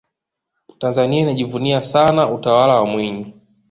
tanzania inajivunia sana utawala wa mwinyi